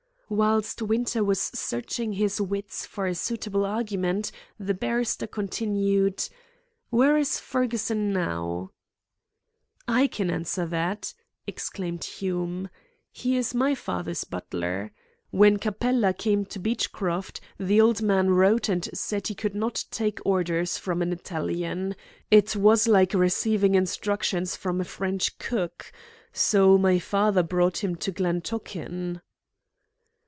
Whilst Winter was searching his wits for a suitable argument, the barrister continued: "Where is Fergusson now?" "I can answer that," exclaimed Hume. "He is my father's butler. When Capella came to Beechcroft, the old man wrote and said he could not take orders from an Italian. It was like receiving instructions from a French cook. So my father brought him to Glen Tochan."